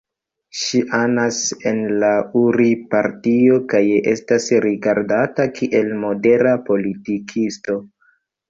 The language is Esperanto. Ŝi anas en la Uri-Partio kaj estas rigardata kiel modera politikisto.